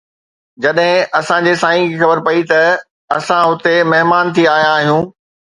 جڏهن اسان جي ساٿين کي خبر پئي ته اسان هتي مهمان ٿي آيا آهيون